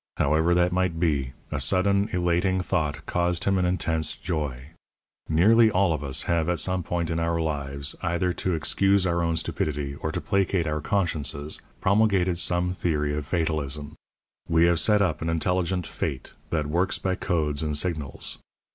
However that might be, a sudden, elating thought caused him an intense joy. Nearly all of us have, at some point in our lives either to excuse our own stupidity or to placate our consciences promulgated some theory of fatalism. We have set up an intelligent Fate that works by codes and signals.